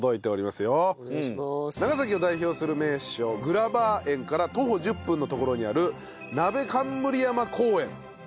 長崎を代表する名所グラバー園から徒歩１０分の所にある鍋冠山公園。